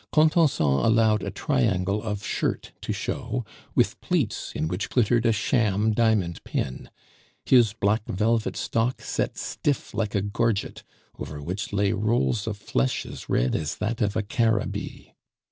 Contenson allowed a triangle of shirt to show, with pleats in which glittered a sham diamond pin; his black velvet stock set stiff like a gorget, over which lay rolls of flesh as red as that of a Caribbee.